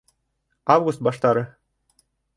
Август баштары.